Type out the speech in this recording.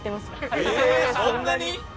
そんなに？